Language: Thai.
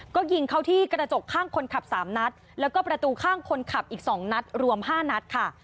ก็ยิงเข้าที่กระจกข้างคนขับ๓นัดแล้วก็ประตูข้างคนขับอีก๒นัดรวม๕นัดค่ะ